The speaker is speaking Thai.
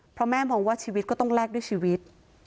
เพราะแม่มองว่าชีวิตก็ต้องแลกด้วยชีวิต